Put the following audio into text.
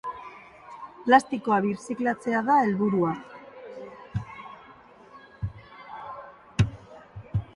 Plastikoa birziklatzea da helburua.